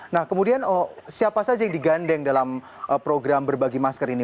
nah kemudian siapa saja yang digandeng dalam program berbagi masker ini